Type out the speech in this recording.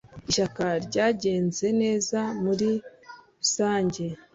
Ishyaka ryagenze neza muri rusange.